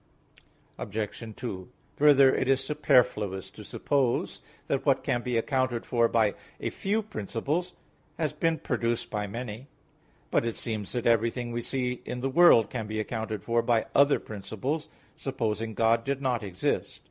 Obj. 2: Further, it is superfluous to suppose that what can be accounted for by a few principles has been produced by many. But it seems that everything we see in the world can be accounted for by other principles, supposing God did not exist.